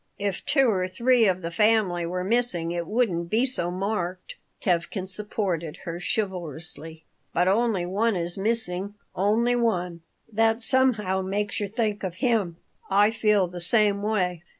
"If two or three of the family were missing it wouldn't be so marked," Tevkin supported her, chivalrously. "But only one is missing, only one. That somehow makes you think of him. I feel the same way."